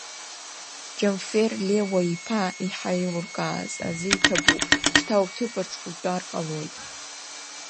Џьамфер Леуа-иԥа иҳаилуркааз азы иҭабуп, шьҭа уҭыԥаҿ утәар ҟалоит…